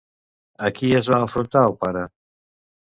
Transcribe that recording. A qui es va enfrontar el pare?